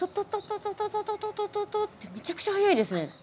トトトトってめちゃくちゃ速いですね。